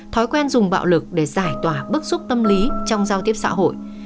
thói quen dùng bạo lực để giải tỏa bức xúc tâm lý trong giao tiếp xã hội